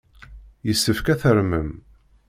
Yessefk ad tarmem.